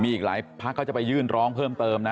มีอีกหลายพักเขาจะไปยื่นร้องเพิ่มเติมนะ